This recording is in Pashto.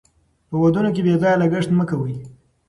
په ودونو کې بې ځایه لګښت مه کوئ.